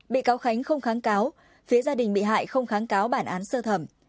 bị cáo khánh không kháng cáo phía gia đình bị hại không kháng cáo bản án sơ thẩm